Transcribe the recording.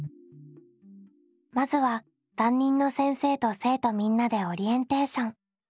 まずは担任の先生と生徒みんなでオリエンテーション。